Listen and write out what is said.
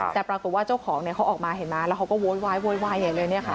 แต่ปรากฏว่าเจ้าของเขาออกมาเห็นมั้ยแล้วเขาก็โว๊ยเลย